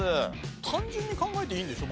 単純に考えていいんでしょ？